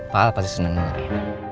pak al pasti senang dengerin